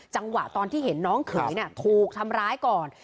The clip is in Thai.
จังหวะตอนที่เห็นน้องเขยถูกทำร้ายก่อน